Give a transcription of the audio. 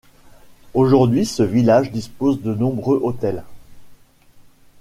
Aujourd'hui, ce village dispose de nombreux hôtels.